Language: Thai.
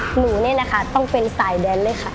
หมูนี่นะคะต้องเป็นสายแดนเลยค่ะ